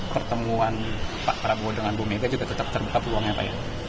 pertemuan pak prabowo dengan bu mega juga tetap terbuka peluangnya pak ya